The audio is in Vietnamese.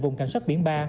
vùng cảnh sát biển ba